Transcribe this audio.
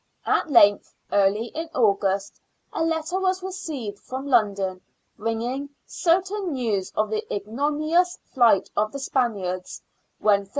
At length, early in August, a letter was received from London, bringing " certain news " of the ignominious flight of the Spaniards, when 13s.